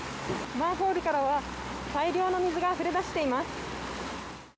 マンホールからは大量の水があふれ出しています。